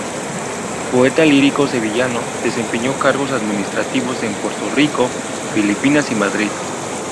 Poeta lírico sevillano, desempeñó cargos administrativos en Puerto Rico, Filipinas y Madrid.